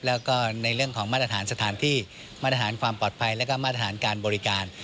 แล้วก็ในเรื่องของมาตรฐานสถานที่มาตรฐานความปลอดภัยแล้วก็มาตรฐานการบริการ